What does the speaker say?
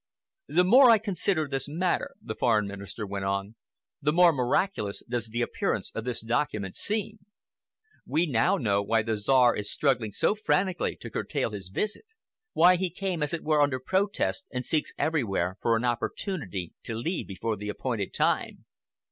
"The more I consider this matter," the Foreign Minister went on, "the more miraculous does the appearance of this document seem. We know now why the Czar is struggling so frantically to curtail his visit—why he came, as it were, under protest, and seeks everywhere for an opportunity to leave before the appointed time.